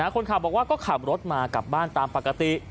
คนขับบอกว่าก็ขับรถมากลับบ้านตามปกติ